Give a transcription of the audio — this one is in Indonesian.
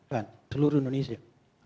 kan seluruh indonesia